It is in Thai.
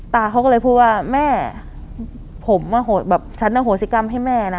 ตาเขาก็เลยพูดว่าแม่ผมเอาโหสิกรรมให้แม่นะ